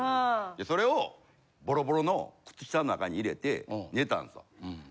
それをボロボロの靴下の中に入れて寝たんすわ。